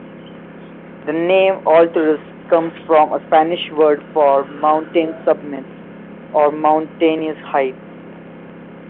The name Alturas comes from a Spanish word for "mountain summits" or "mountainous heights.